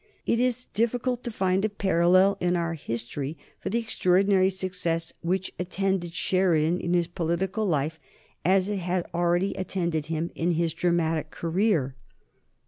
It is difficult to find a parallel in our history for the extraordinary success which attended Sheridan in his political life as it had already attended him in his dramatic career.